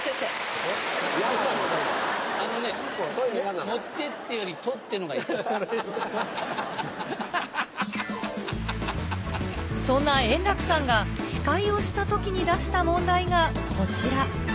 あのね、持ってってより、そんな円楽さんが、司会をしたときに出した問題がこちら。